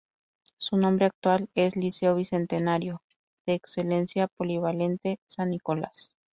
Su nombre actual es: "Liceo Bicentenario de Excelencia Polivalente San Nicolas".